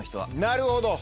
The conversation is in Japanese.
なるほど！